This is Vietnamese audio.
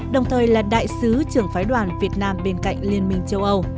đồng thời là đại sứ trưởng phái đoàn việt nam bên cạnh liên minh châu âu